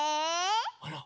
あら？